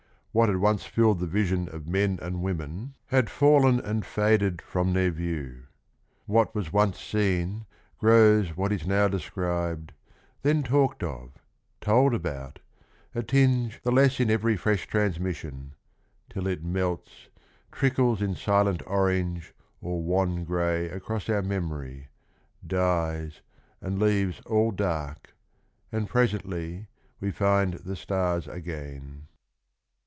What had once filled the vision of men and women had fallen and faded from their view. "What was once seen, grows what is now described, Then talked of, told about, a tinge the less In every fresh transmission; till it melts, Trickles in silent orange or wan grey Across our memory, dies and leaves all dark, And presently we find the stars again.